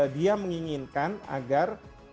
dia menginginkan agar